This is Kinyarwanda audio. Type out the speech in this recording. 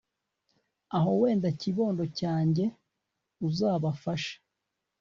aho wenda kibondo cyange uzabafashe